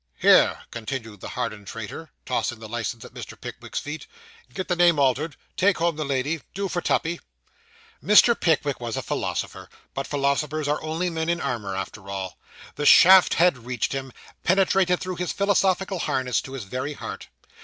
'Here,' continued the hardened traitor, tossing the licence at Mr. Pickwick's feet; 'get the name altered take home the lady do for Tuppy.' Mr. Pickwick was a philosopher, but philosophers are only men in armour, after all. The shaft had reached him, penetrated through his philosophical harness, to his very heart.